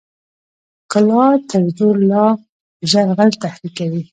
ښکلا تر زرو لا ژر غل تحریکوي.